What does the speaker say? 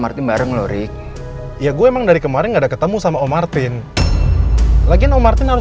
martin bareng lori ya gue emang dari kemarin ada ketemu sama om martin lagi nomornya harus